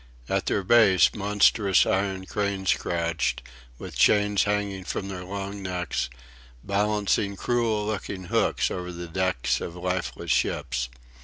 At their base monstrous iron cranes crouched, with chains hanging from their long necks, balancing cruel looking hooks over the decks of lifeless ships.